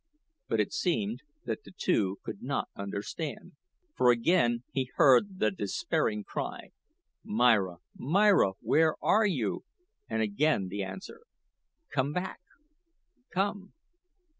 But it seemed that the two could not understand; for again he heard the despairing cry: "Myra, Myra, where are you?" and again the answer: "Come back. Come."